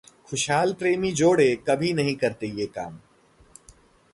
खुशहाल प्रेमी जोड़े कभी नहीं करते ये काम